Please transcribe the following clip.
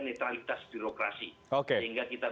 netralitas birokrasi sehingga kita